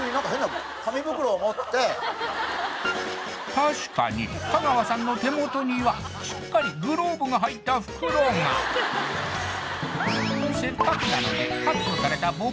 確かに香川さんの手元にはしっかりグローブが入った袋がせっかくなのでカットされたボクシングシーン